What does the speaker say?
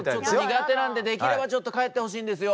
苦手なんでできればちょっと帰ってほしいんですよ。